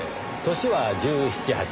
年は１７１８。